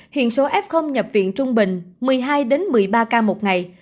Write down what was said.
hiện số f nhập viện trung bình một mươi hai một mươi ba ca một ngày